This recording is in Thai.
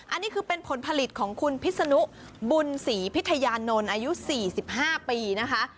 อันนี้คือเป็นผลผลิตของคุณพิษนุบุญศรีพิทยานนท์อายุ๔๕ปีนะคะ